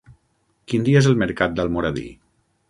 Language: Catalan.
Quin dia és el mercat d'Almoradí?